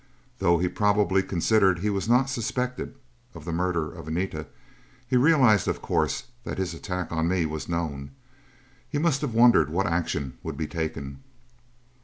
Though he probably considered he was not suspected of the murder of Anita, he realized, of course, that his attack on me was known. He must have wondered what action would be taken.